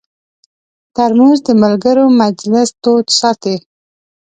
ترموز د ملګرو مجلس تود ساتي.